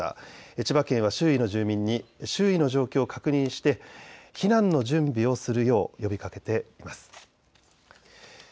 千葉県は周囲の住民に周囲の状況を確認して避難の準備をするよう呼びかけています。